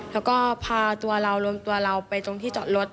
แล้วก็พาตัวเรารวมตัวเราไปตรงที่จอดรถ